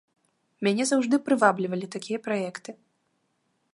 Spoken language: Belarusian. Мяне заўжды прываблівалі такія праекты.